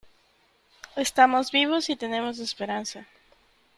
estamos vivos y tenemos esperanza .